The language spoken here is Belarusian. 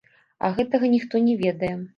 А гэтага ніхто не ведае.